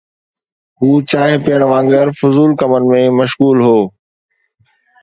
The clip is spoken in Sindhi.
هو چانهه پيئڻ وانگر فضول ڪمن ۾ مشغول هو.